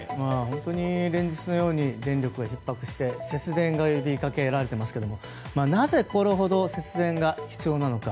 連日のように電力がひっ迫して節電が呼びかけられていますがなぜこれほど節電が必要なのか。